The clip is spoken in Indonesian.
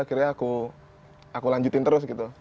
akhirnya aku lanjutin terus gitu